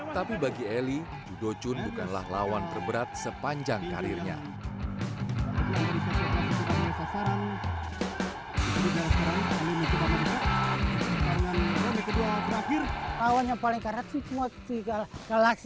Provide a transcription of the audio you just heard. tapi bagi eli judo chun bukanlah lawan terberat sepanjang karirnya